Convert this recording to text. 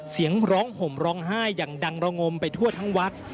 เสียงร้องห่มร้องไห้อย่างดังระงมไปทั่วทั้งวัด